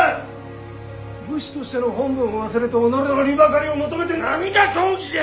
武士としての本分も忘れて己の利ばかりを求めて何が公儀じゃ！